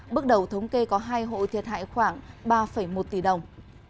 bước đầu thống kê có hai hộ thiệt hại khoảng ba một tỷ đồng